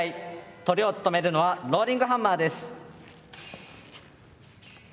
トリを務めるのはローリングハンマーです。